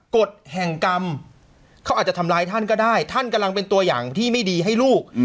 กฎแห่งกรรมเขาอาจจะทำร้ายท่านก็ได้ท่านกำลังเป็นตัวอย่างที่ไม่ดีให้ลูก